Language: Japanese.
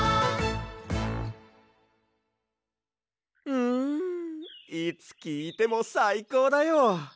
うんいつきいてもさいこうだよ。